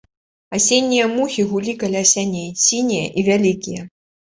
Асеннія мухі гулі каля сяней, сінія і вялікія.